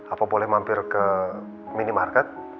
apapun mampir ke minimarket